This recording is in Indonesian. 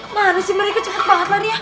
mana sih mereka cepet banget lari ya